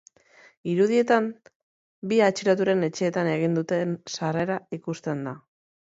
Irudietan bi atxiloturen etxeetan egin duten sarrera ikusten da.